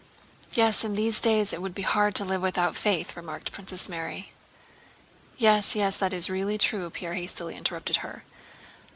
"Yes, in these days it would be hard to live without faith..." remarked Princess Mary. "Yes, yes, that is really true," Pierre hastily interrupted her.